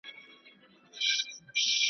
اوس هغي لمبې ته وزرونه بورا نه نیسي .